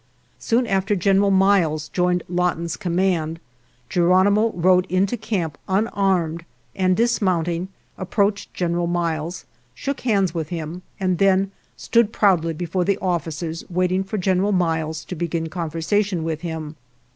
Soon after General Miles joined Law ton's command Geronimo rode into camp unarmed, and dismounting approached Gen eral Miles, shook hands with him, and then stood proudly before the officers waiting for General Miles to begin conversation with him.